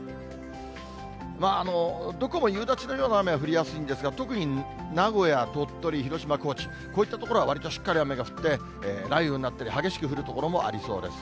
どこも夕立のような雨は降りやすいんですが、特に名古屋、鳥取、広島、高知、こういった所はわりとしっかり雨が降って、雷雨になったり、激しく降る所もありそうです。